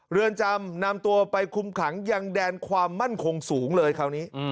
เรือนจำนำตัวไปคุมขังยังแดนความมั่นคงสูงเลยคราวนี้